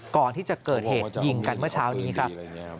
ก่อนที่จะเกิดเหตุยิงกันเมื่อเช้านี้ครับ